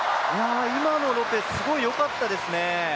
今のロペス、すごいよかったですね。